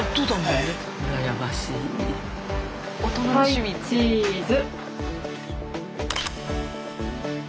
はいチーズ！